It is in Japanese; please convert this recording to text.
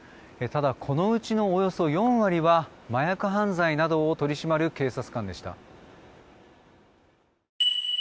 ただ、このうちのおよそ４割は麻薬犯罪などを取り締まる警察官でした。